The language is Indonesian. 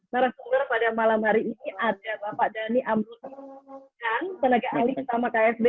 narasumber pada malam hari ini ada bapak dhani amruf dan tenaga ahli utama kfb